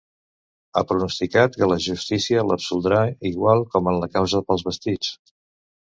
Ha pronosticat que la justícia l’absoldrà, igual com en la causa pels vestits.